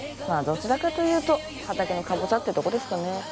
まあどちらかというと畑のカボチャってとこですかね。